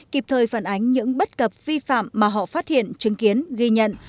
kịp thời phản ánh những bất cập vi phạm mà họ phát hiện chứng kiến ghi nhận